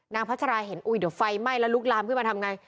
พัชราเห็นอุ้ยเดี๋ยวไฟไหม้แล้วลุกลามขึ้นมาทำไง